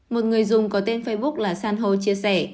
một người dùng có tên facebook là san hô chia sẻ